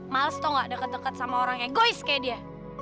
males tuh gak deket deket sama orang egois kayak dia